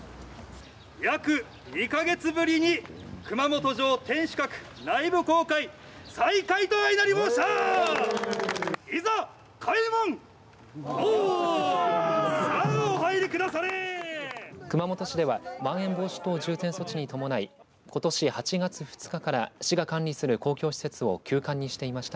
約２か月ぶりに熊本城天守閣内部公開再開となりました。